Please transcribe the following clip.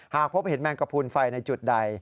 หากพบเห็นแมงกระพูนไฟในจุดใด